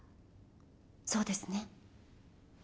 そうですね？